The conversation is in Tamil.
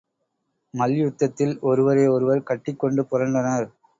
மல்யுத்தத்தில் ஒருவரை ஒருவர் கட்டிக் கொண்டு புரண்டனர்.